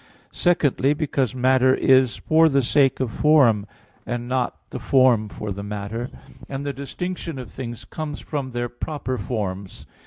Secondly, because matter is for the sake of the form, and not the form for the matter, and the distinction of things comes from their proper forms.